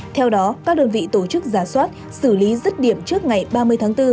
theo đó các đơn vị tổ chức giả soát xử lý rứt điểm trước ngày ba mươi tháng bốn